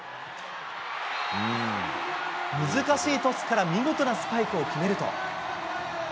難しいトスから見事なスパイクを決めると。